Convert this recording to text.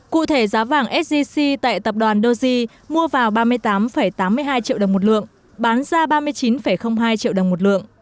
cụ thể giá vàng sgc tại tập đoàn doge mua vào ba mươi tám tám mươi hai triệu đồng một lượng bán ra ba mươi chín hai triệu đồng một lượng